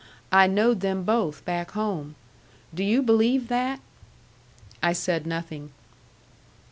I knowed them both back home. Do you believe that?" I said nothing.